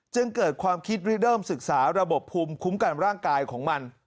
จึงเกิดความคิดเริ่มศึกษาระบบภูมิคุ้มกันร่างกายของมัน